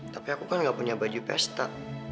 tapi aku kan gak punya baju pesta